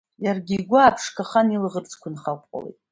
Иаргьы игәы ааԥшқахан, илаӷырӡқәа нхаҟәҟәалеит.